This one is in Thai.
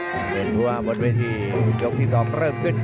เพราะว่าบนเวทียกที่๒เริ่มขึ้น